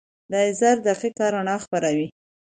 لیزر دقیقه رڼا خپروي.